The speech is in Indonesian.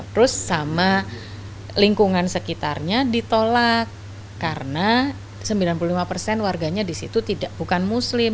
terus sama lingkungan sekitarnya ditolak karena sembilan puluh lima warganya disitu tidak bukan muslim